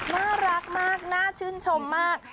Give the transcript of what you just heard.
น่ารักมากน่าชื่นชมมาก